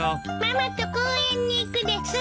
ママと公園に行くです。